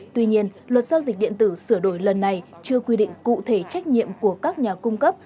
tuy nhiên luật giao dịch điện tử sửa đổi lần này chưa quy định cụ thể trách nhiệm của các nhà cung cấp